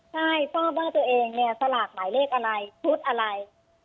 ใช่ต้องการว่าตัวเองสลากหมายเลขอะไรทุศอะไร